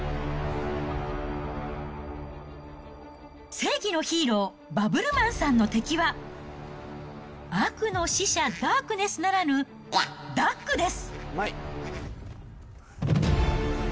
正義のヒーロー、バブルマンさんの敵は、悪の使者、ダークネスならぬ、ダックです。